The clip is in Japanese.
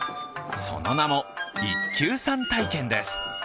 その名も、一休さん体験です。